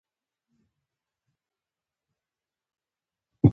انسان له طبیعته جلا نه دی.